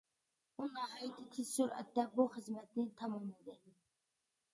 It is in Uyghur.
ئۇ ناھايىتى تېز سۈرئەتتە بۇ خىزمەتنى تاماملىدى.